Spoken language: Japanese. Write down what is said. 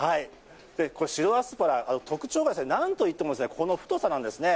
白アスパラ、特徴がなんといってもこの太さなんですね。